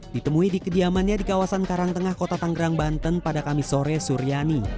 ditemui di kediamannya di kawasan karangtengah kota tanggerang banten pada kamis sore suryani